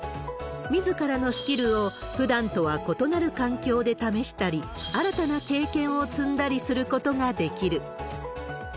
みずからのスキルを、ふだんとは異なる環境で試したり、新たな経験を積んだりすることができる。